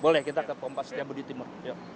boleh kita ke pompa setiabudi timur